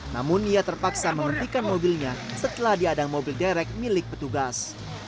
namun ia terpaksa menghentikan mobilnya setelah diadang mobil derek milik petugas